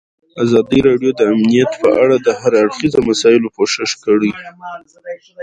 ازادي راډیو د امنیت په اړه د هر اړخیزو مسایلو پوښښ کړی.